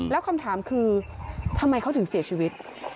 แล้วคำถามคือทำไมเขาถึงเสียชีวิต